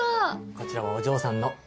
こちらはお嬢さんの。